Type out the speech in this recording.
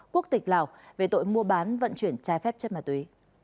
quốc tịch lào về tội mua bán vận chuyển trái phép chất ma túy